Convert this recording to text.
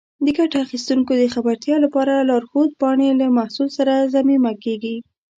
د ګټه اخیستونکو د خبرتیا لپاره لارښود پاڼې له محصول سره ضمیمه کېږي.